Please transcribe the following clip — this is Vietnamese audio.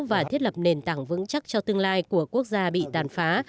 và thiết lập nền tảng vững chắc cho tương lai của quốc gia bị tàn phá